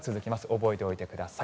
覚えておいてください。